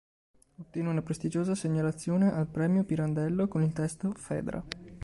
Ottiene una prestigiosa segnalazione al Premio Pirandello con il testo "Fedra".